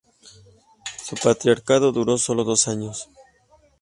Su patriarcado duró solo dos años.